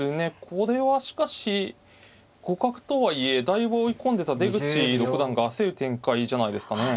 これはしかし互角とはいえだいぶ追い込んでた出口六段が焦る展開じゃないですかね。